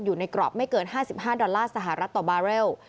อยู่ในกรอบไม่เกิน๕๕ดอลลาร์สหรัฐต่อบาเรล